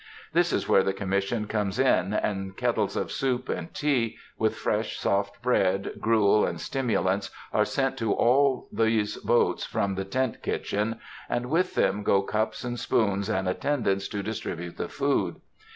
This is where the Commission comes in, and kettles of soup and tea, with fresh soft bread, gruel, and stimulants, are sent to all these boats from the tent kitchen, and with them go cups and spoons, and attendants to distribute the food.